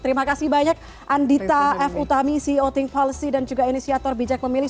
terima kasih banyak andita f utami ceo thing policy dan juga inisiator bijak memilih